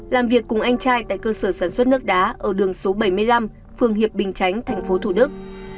làm việc cùng anh trai tại cơ sở sản xuất nước đá ở đường số bảy mươi năm phường hiệp bình chánh tp thủ đức